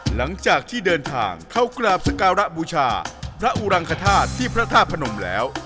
หลังจากที่เดินทางเข้ากราบสการะบูชาพระอุรังคธาตุที่พระธาตุพนมแล้ว